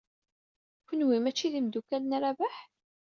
Kenwi mačči d imeddukal n Rabaḥ?